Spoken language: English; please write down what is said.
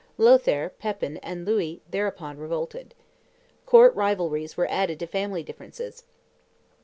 Lothaire, Pepin, and Louis thereupon revolted. Court rivalries were added to family differences.